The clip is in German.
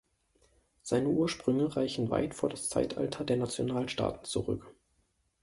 Seine Ursprünge reichen weit vor das Zeitalter der Nationalstaaten zurück.